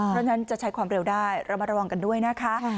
เพราะฉะนั้นจะใช้ความเร็วได้ระมัดระวังกันด้วยนะคะ